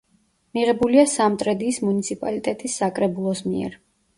მიღებულია სამტრედიის მუნიციპალიტეტის საკრებულოს მიერ.